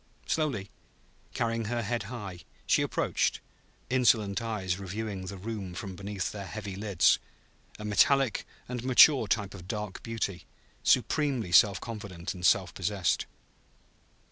Slowly, carrying her head high, she approached, insolent eyes reviewing the room from beneath their heavy lids; a metallic and mature type of dark beauty, supremely self confident and self possessed.